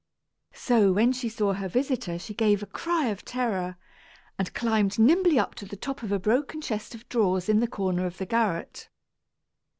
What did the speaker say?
So when she saw her visitor she gave a cry of terror, and climbed nimbly up to the top of a broken chest of drawers in the corner of the garret.